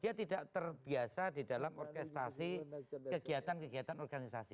dia tidak terbiasa di dalam orkestasi kegiatan kegiatan organisasi